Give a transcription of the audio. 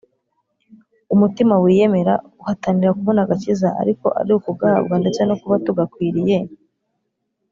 umutima wiyemera uhatanira kubona agakiza, ariko ari ukugahabwa ndetse no kuba tugakwiriye,